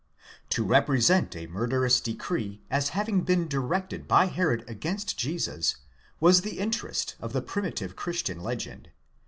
To represent a murderous decree as having been directed by Herod against Jesus, was the interest of the primitive christian legend.